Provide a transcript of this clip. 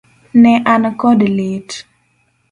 Ne an kod lit.